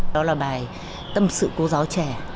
đó là bài tâm sự cô giáo trẻ